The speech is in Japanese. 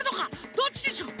どっちでしょう？